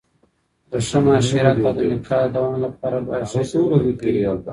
د ښه معاشرت او د نکاح د دوام لپاره بايد ښه ژوند وکړي